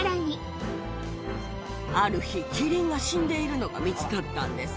ある日、キリンが死んでいるのが見つかったんです。